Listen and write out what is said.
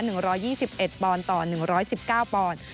ร้อยยี่สิบเอ็ดปอนด์ต่อหนึ่งร้อยสิบเก้าปอนด์